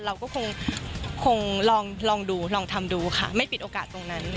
เราก็คงลองดูลองทำดูค่ะไม่ปิดโอกาสตรงนั้น